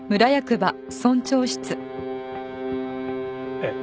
えっ？